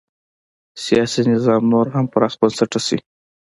سیاسي نظام نور هم پراخ بنسټه شي.